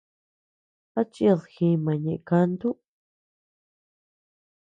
¿A chid jima ñeʼe kantu?